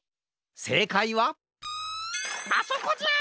せいかいはあそこじゃ！